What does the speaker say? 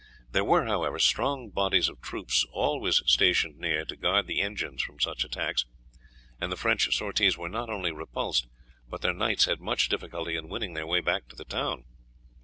There were, however, strong bodies of troops always stationed near to guard the engines from such attacks, and the French sorties were not only repulsed, but their knights had much difficulty in winning their way back to the town.